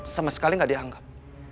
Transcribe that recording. sama sekali gak dianggap